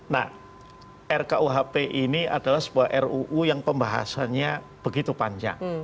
nah rkuhp ini adalah sebuah ruu yang pembahasannya begitu panjang